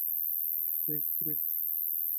রিক, রিক।